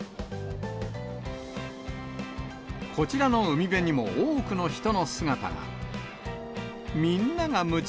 こちらの海辺にも多くの人の姿が。